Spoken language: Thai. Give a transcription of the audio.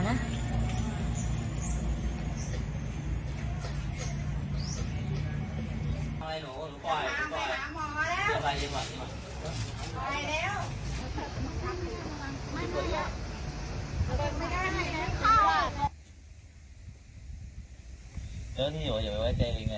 งั้นบางทีมันก็จกขายืนเดี๋ยวก็กลับที่เดิมผมสานมันอ่ะ